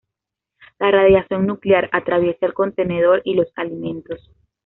La radiación nuclear atraviesa el contenedor y los alimentos.